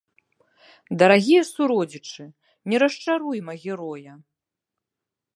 Дарагія суродзічы, не расчаруйма героя!